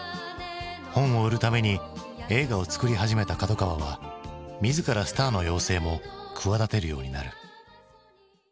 本を売るために映画を作り始めた角川は自らスターの養成も企てるようになる。